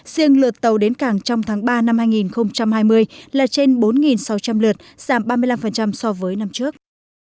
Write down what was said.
riêng lượt tàu đến cảng trong tháng ba năm hai nghìn hai mươi là trên bốn sáu trăm linh lượt giảm ba mươi năm so với năm trước